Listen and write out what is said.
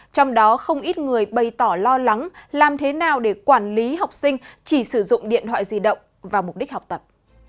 trong đó không ít người bày tỏ lo lắng làm thế nào để quản lý học sinh chỉ sử dụng điện thoại di động vào mục đích học tập